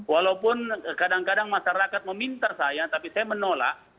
walaupun kadang kadang masyarakat meminta saya tapi saya menolak